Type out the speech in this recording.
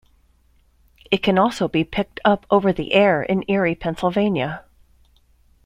It can also be picked up over-the-air in Erie, Pennsylvania.